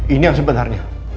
ini yang sebenarnya